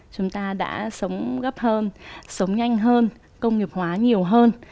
chúng ta đã sống gấp hơn sống nhanh hơn công nghiệp hóa nhiều hơn